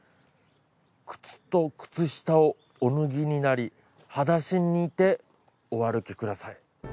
靴と靴下をおぬぎになりはだしにてお歩き下さい」。